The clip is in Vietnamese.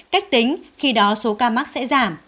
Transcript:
cách tính khi đó số ca mắc sẽ giảm